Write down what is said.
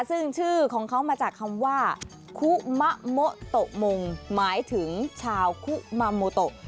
ซึ่งชื่อของเขามาจากคำว่าคุมะโมโตะมงหมายถึงชาวคุมาโมโต